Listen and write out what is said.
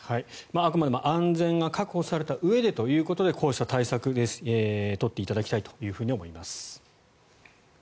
あくまでも安全が確保されたうえでということでこうした対策を取っていただきたいと思います。